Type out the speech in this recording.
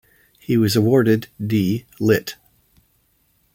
He was awarded D. Litt.